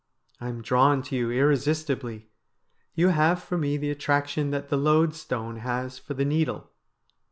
I am drawn to you irresistibly. You have for me the attraction that the loadstone has for the needle.'